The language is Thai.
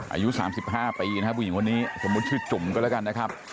อายุ๓๕ปีนะครับผู้หญิงคนนี้สมมุติชื่อจุ่มก็แล้วกันนะครับ